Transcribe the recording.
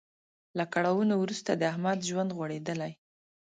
له کړاوونو وروسته د احمد ژوند غوړیدلی.